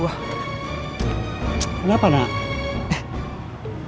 wah kenapa nak